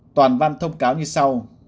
toàn văn thông cáo như sau